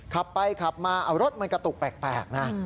ขับไปขับมารถมันกระตุกแปลกนะ